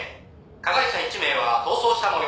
加害者１名は逃走した模様」